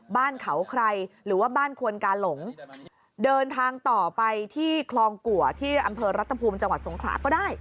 บ้านเขาใครหรือว่าบ้านควนกาหลงเดินทางต่อไปที่คลองกัวที่อำเภอรัฐภูมิจังหวัดสงขลาก็ได้